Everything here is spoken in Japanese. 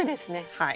はい。